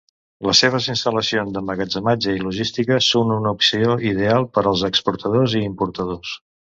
Les seves instal·lacions d'emmagatzematge i logística són una opció ideal per als exportadors i importadors.